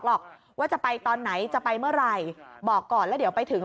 หรอกว่าจะไปตอนไหนจะไปเมื่อไหร่บอกก่อนแล้วเดี๋ยวไปถึง